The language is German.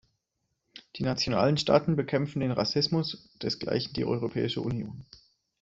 Die nationalen Staaten bekämpfen den Rassismus, desgleichen die Europäische Union.